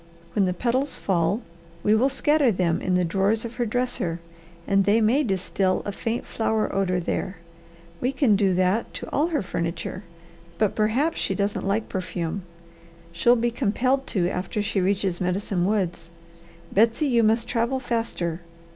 When the petals fall we will scatter them in the drawers of her dresser, and they may distil a faint flower odour there. We could do that to all her furniture, but perhaps she doesn't like perfume. She'll be compelled to after she reaches Medicine Woods. Betsy, you must travel faster!"